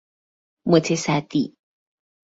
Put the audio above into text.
متصدی